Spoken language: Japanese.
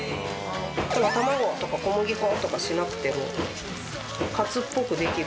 卵とか小麦粉とかしなくてもカツっぽくできる。